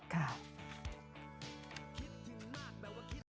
ค่ะ